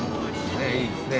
いいですね。